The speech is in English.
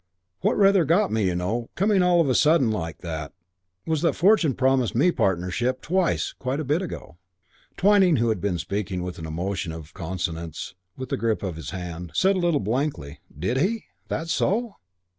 "What rather got me, you know, coming all of a sudden like that, was that Fortune promised me partnership, twice, quite a bit ago." Twyning, who had been speaking with an emotion in consonance with the grip of his hand, said a little blankly, "Did he? That so?"